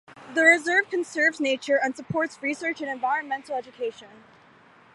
The reserve conserves nature and supports research and environmental education.